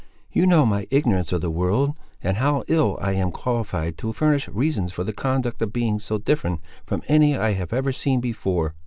"You know my ignorance of the world, and how ill I am qualified to furnish reasons for the conduct of beings so different from any I have ever seen before.